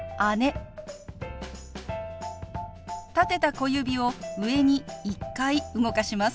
立てた小指を上に１回動かします。